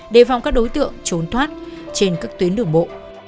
đề phòng các đối tượng trốn thoát trên các tuyến đường bộ